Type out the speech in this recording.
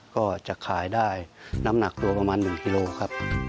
ก็จะขายได้น้ำหนักตัวประมาณ๑กิโลครับ